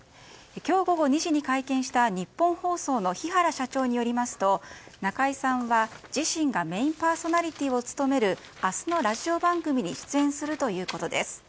今日午後２時に会見した日本放送のヒワラ社長によりますと中居さんは自身がメインパーソナリティーを務める明日のラジオ番組に出演するということです。